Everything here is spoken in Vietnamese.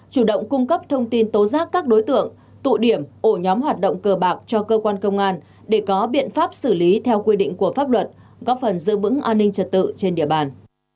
chủ động cung cấp thông tin tố giác các đối tượng tụ điểm ổ nhóm hoạt động cờ bạc cho cơ quan công an để có biện pháp xử lý theo quy định của pháp luật góp phần giữ vững an ninh trật tự trên địa bàn